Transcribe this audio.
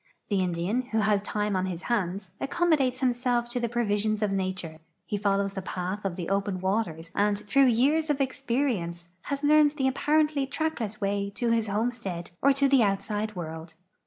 The Indian, who has time on his hands, accommodates himself to the pro visions of nature; he follows the path of the open ivaters and, through years of experience, has learned the ajqiarenth' track less way to his homestead or to the outside world.